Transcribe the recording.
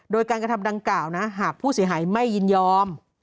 โดยการกระทำดังกล่าวนะหากผู้เสียหายไม่ยินยอม